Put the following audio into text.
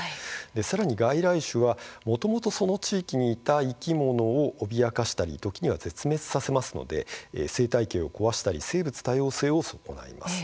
さらに外来種はもともとその地域に生き物を脅かしたり時には絶滅させますので生態系を壊したり生物多様性を損ないます。